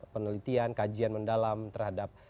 penelitian kajian mendalam terhadap